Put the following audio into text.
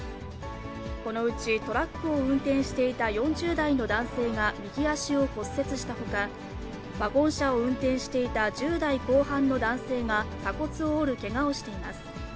このうちトラックを運転していた４０代の男性が右足を骨折したほか、ワゴン車を運転していた１０代後半の男性が鎖骨を折るけがをしています。